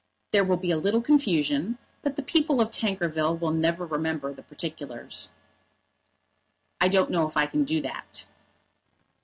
There will be a little confusion, but the people of Tankerville will never remember the particulars." "I don't know that I can do that."